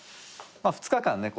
まあ２日間ね